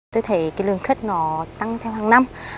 tôi thấy lương khất nó tăng theo hàng năm